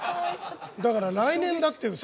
だから来年だって！